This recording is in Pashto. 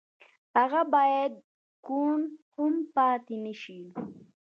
هغه بايد کوڼ هم پاتې نه شي.